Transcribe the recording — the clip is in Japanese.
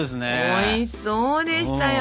おいしそうでしたよ。